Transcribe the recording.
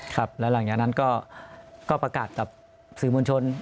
ครับแล้วหลังจากนั้นก็ประกาศกับสื่อมวลชน